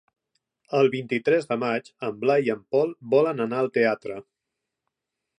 El vint-i-tres de maig en Blai i en Pol volen anar al teatre.